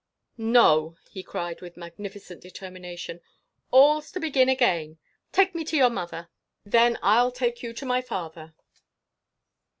"No!" he cried, with magnificent determination. "All 's to begin again! Take me to your mother. Then I 'll take you to my father."